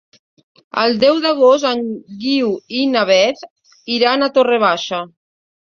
El deu d'agost en Guiu i na Beth iran a Torre Baixa.